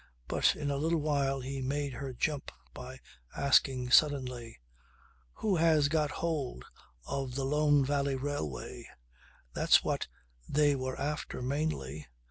But in a little while he made her jump by asking suddenly: "Who has got hold of the Lone Valley Railway? That's what they were after mainly.